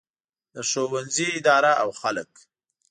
د ښوونځي اداره او خلک.